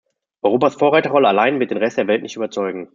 Europas Vorreiterrolle allein wird den Rest der Welt nicht überzeugen.